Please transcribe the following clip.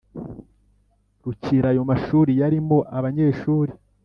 Rukira ayo mashuri yarimo abanyeshuri